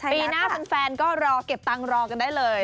ปีหน้าแฟนก็รอเก็บตังค์รอกันได้เลย